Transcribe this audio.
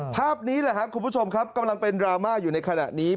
ภาพนี้แหละครับคุณผู้ชมครับกำลังเป็นดราม่าอยู่ในขณะนี้